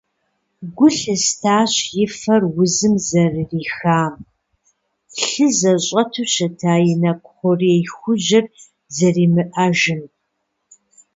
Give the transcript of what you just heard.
Гу лъыстащ и фэр узым зэрырихам, лъы зыщӀэту щыта и нэкӀу хъурей хужьыр зэримыӀэжым.